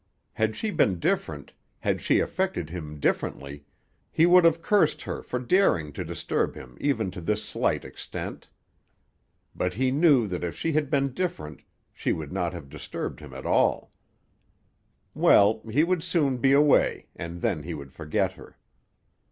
Had she been different, had she affected him differently, he would have cursed her for daring to disturb him even to this slight extent. But he knew that if she had been different she would not have disturbed him at all. Well, he would soon be away, and then he would forget her.